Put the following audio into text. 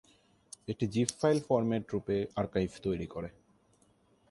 এটি zip file format রূপে archive তৈরী করে।